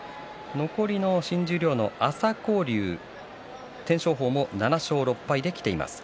残りの新十両、朝紅龍、天照鵬も７勝６敗できています。